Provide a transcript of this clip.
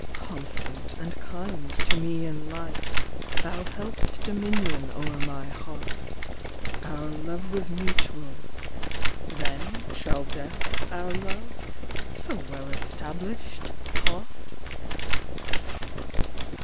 "Constant and kind to me in life, Thou held'st dominion o'er ray heart; Our love was mutual ; then, shall death, Our love, so well established, part?"